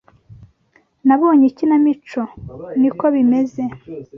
"Nabonye ikinamico ni ko bimeze."